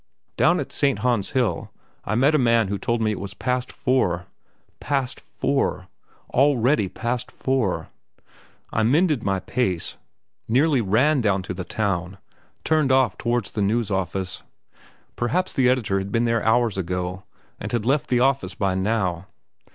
Down at St. Han's Hill I met a man who told me it was past four. Past four! already past four! I mended my pace, nearly ran down to the town, turned off towards the news office. Perhaps the editor had been there hours ago, and had left the office by now.